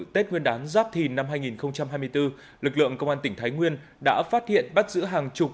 tết nguyên đán giáp thìn năm hai nghìn hai mươi bốn lực lượng công an tỉnh thái nguyên đã phát hiện bắt giữ hàng chục